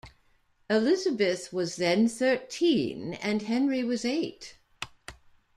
Elizabeth was then thirteen and Henry was eight.